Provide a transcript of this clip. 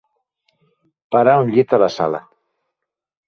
Parar un llit a la sala.